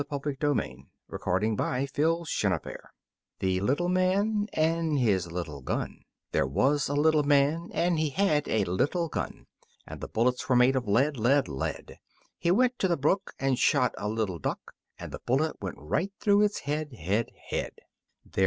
[Illustration: The Little Man and His Little Gun] The Little Man and His Little Gun There was a little man and he had a little gun, And the bullets were made of lead, lead, lead. He went to the brook and shot a little duck, And the bullet went right through its head, head, head.